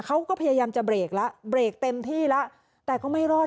เขาก็พยายามจะเบรกแล้วเบรกเต็มที่แล้วแต่ก็ไม่รอด